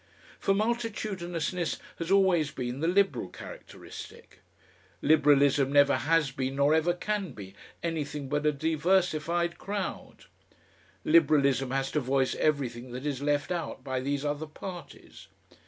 For multitudinousness has always been the Liberal characteristic. Liberalism never has been nor ever can be anything but a diversified crowd. Liberalism has to voice everything that is left out by these other parties.